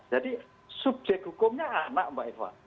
jadi subjek hukumnya anak mbak eva